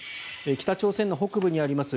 北朝鮮の北部にあります